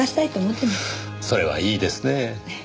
それはいいですねぇ。